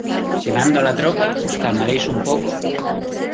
Si mando a la tropa, ¿ os calmaréis un poco?